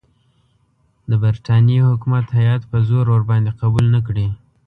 د برټانیې حکومت هیات په زور ورباندې قبول نه کړي.